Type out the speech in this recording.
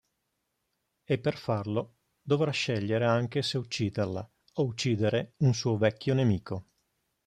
E per farlo, dovrà scegliere anche se ucciderla o uccidere un suo vecchio nemico.